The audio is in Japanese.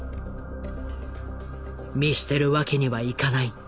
見捨てるわけにはいかない。